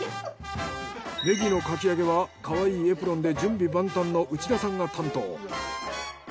ネギのかき揚げはかわいいエプロンで準備万端の内田さんが担当。